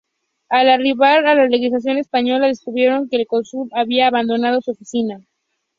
Al arribar a la legación española descubrieron que el cónsul había abandonado su oficina.